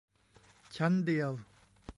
ชั้นเดียว